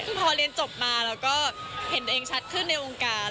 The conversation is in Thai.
ซึ่งพอเรียนจบมาแล้วก็เห็นตัวเองชัดขึ้นในองค์การ